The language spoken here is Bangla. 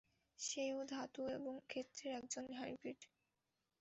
সে ও ধাতু এবং ক্ষেত্রের একজন হাইব্রীড।